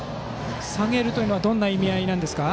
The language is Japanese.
下げるというのはどんな意味合いですか。